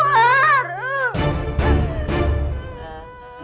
buka dulu pintunya bep